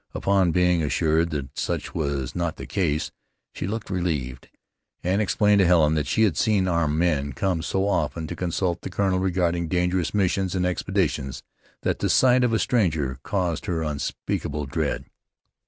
Upon being assured that such was not the case, she looked relieved, and explained to Helen that she had seen armed men come so often to consult the colonel regarding dangerous missions and expeditions, that the sight of a stranger caused her unspeakable dread.